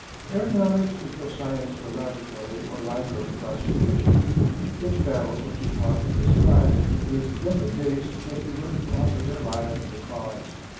Aeronautics is no science for laboratory or library prosecution. Its battles must be fought in the sky, and its devotees must be willing to offer their lives to the cause.